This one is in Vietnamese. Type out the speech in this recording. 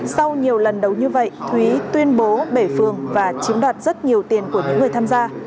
sau nhiều lần đấu như vậy thúy tuyên bố bể phương và chiếm đoạt rất nhiều tiền của những người tham gia